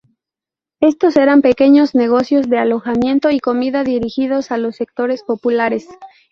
Estos eran pequeños negocios de alojamiento y comida dirigidos a los sectores populares.